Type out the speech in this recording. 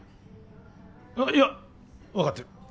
いや分かってる。